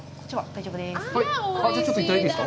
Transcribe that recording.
大丈夫です。